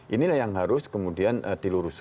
inilah yang harus kemudian diluruskan